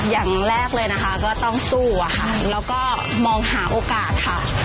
อย่างแรกเลยนะคะก็ต้องสู้อะค่ะแล้วก็มองหาโอกาสค่ะ